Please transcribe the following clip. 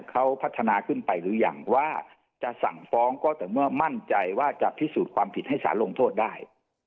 เขาพัฒนาขึ้นไปหรือยังว่าจะสั่งฟ้องก็แต่เมื่อมั่นใจว่าจะพิสูจน์ความผิดให้สารลงโทษได้